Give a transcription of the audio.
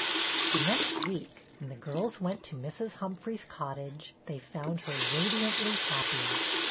The next week when the girls went to Mrs. Humphrey's cottage they found her radiantly happy.